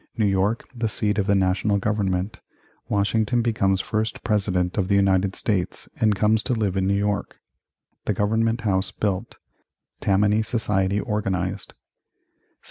New York the seat of the National Government Washington becomes First President of the United States and comes to live in New York The Government House built Tammany Society organized 1790.